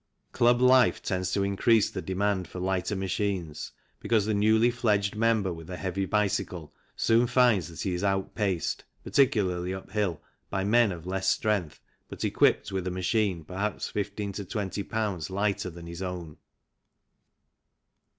Club life tends to increase the demand for lighter machines, because the newly fledged member with a heavy bicycle soon finds that he is outpaced, particularly up hill, by men of less strength but equipped with a machine perhaps 15 to 20 Ibs. lighter than his own.